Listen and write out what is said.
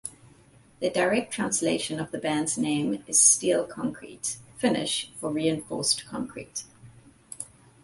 The direct translation of the band's name is "steel concrete", Finnish for reinforced concrete.